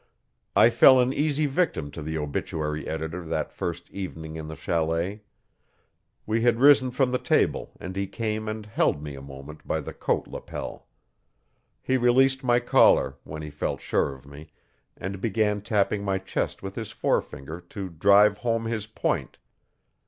I fell an easy victim to the obituary editor that first evening in the chalet. We had risen from the table and he came and held me a moment by the coat lapel. He released my collar, when he felt sure of me, and began tapping my chest with his forefinger to drive home his point.